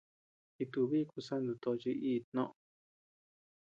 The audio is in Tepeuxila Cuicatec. Jitubiy kusanto tochi íʼ tnoʼö.